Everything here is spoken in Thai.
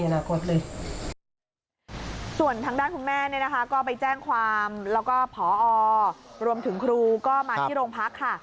แล้วก็ผอรวมถึงครูก็มาที่โรงพักค่ะ